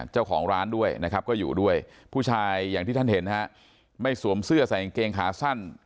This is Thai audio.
เจ้าของร้านด้วยนะครับก็อยู่ด้วยผู้ชายอย่างที่ท่านเห็นฮะไม่สวมเสื้อใส่กางเกงขาสั้น